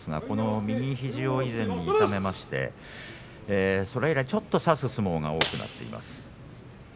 右肘を以前、痛めましてそれ以来ちょっと差す相撲が多くなっています。